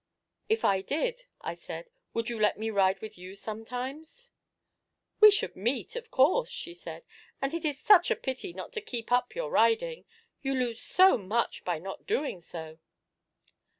'If I did,' I said, 'would you let me ride with you sometimes?' 'We should meet, of course,' she said; 'and it is such a pity not to keep up your riding you lose so much by not doing so.'